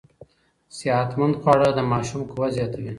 صحتمند خواړه د ماشوم قوت زیاتوي.